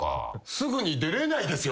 すぐに出れないですよ。